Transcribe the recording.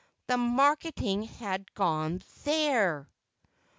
The marketing had gone there!